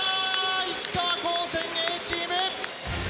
石川高専Ａチーム。